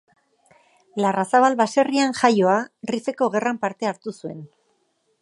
Larrazabal baserrian jaioa, Rifeko gerran parte hartu zuen.